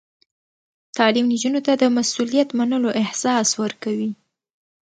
تعلیم نجونو ته د مسؤلیت منلو احساس ورکوي.